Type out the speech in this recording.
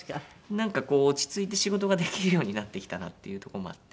なんかこう落ち着いて仕事ができるようになってきたなっていうとこもあって。